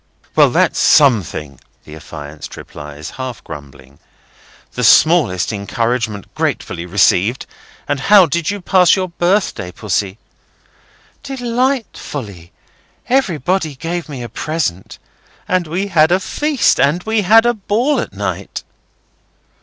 "Well, that's something," the affianced replies, half grumbling. "The smallest encouragement thankfully received. And how did you pass your birthday, Pussy?" "Delightfully! Everybody gave me a present. And we had a feast. And we had a ball at night."